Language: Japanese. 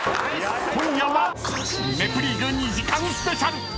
［『ネプリーグ』２時間スペシャル！］